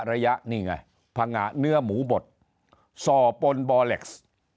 ระยะนี่ไงผงะเนื้อหมูบดส่อปนบอเล็กซ์